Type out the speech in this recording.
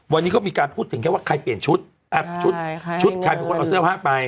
วันนี้ก็มีการพูดถึงแค่ว่าใครเปลี่ยนชุดแอปชุดชุดใครเป็นคนเอาเสื้อผ้าไป